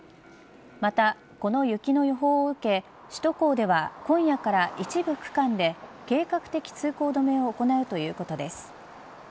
また、この雪の予報を受け首都高では今夜から一部区間で計画的通行止めを行うということです。